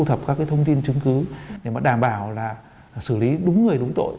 thu thập các cái thông tin chứng cứ để đảm bảo là xử lý đúng người đúng tội